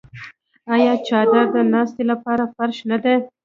آیا څادر د ناستې لپاره فرش نه دی؟